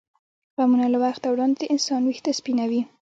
غمونه له وخته وړاندې د انسان وېښته سپینوي.